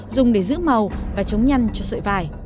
dùng để giữ màu và chống nhăn cho sợi vải